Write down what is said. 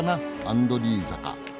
アンドリー坂。